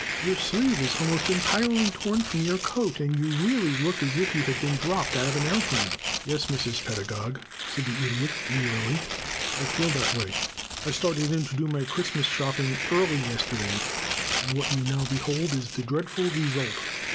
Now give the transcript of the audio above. Your sleeve is almost entirely torn from your coat, and you really look as if you had been dropped out of an aëroplane." "Yes, Mrs. Pedagog," said the Idiot, wearily, "I feel that way. I started in to do my Christmas Shopping early yesterday, and what you now behold is the dreadful result.